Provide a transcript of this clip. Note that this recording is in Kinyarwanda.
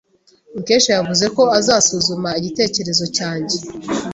Mukesha yavuze ko azasuzuma igitekerezo cyanjye.